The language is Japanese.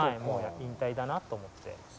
もう引退だなと思って。